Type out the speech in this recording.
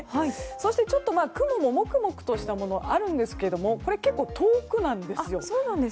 そして、ちょっと雲もモクモクとしたものはありますがこれは結構、遠くなんですよ。